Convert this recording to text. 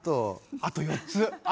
あと４つ！